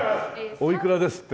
おいくらですって？